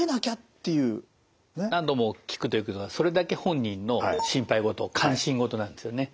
何度も聞くということはそれだけ本人の心配事関心事なんですよね。